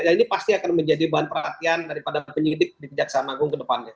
ini pasti akan menjadi bahan perhatian daripada penyidik di kejaksaan agung ke depannya